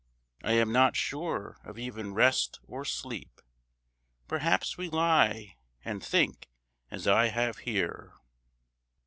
I am not sure of even rest or sleep; Perhaps we lie and think as I have here.